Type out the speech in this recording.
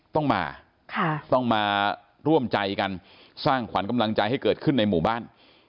ต้องมาต้องมาร่วมใจกันสร้างขวัญกำลังใจให้เกิดขึ้นในหมู่บ้าน